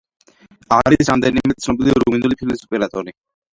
არის რამდენიმე ცნობილი რუმინული ფილმის ოპერატორი.